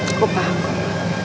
aku paham kum